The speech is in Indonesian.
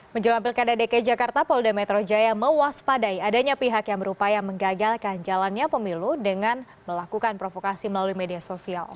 menjelang pilkada dki jakarta polda metro jaya mewaspadai adanya pihak yang berupaya menggagalkan jalannya pemilu dengan melakukan provokasi melalui media sosial